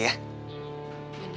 jangan hari ini aja ya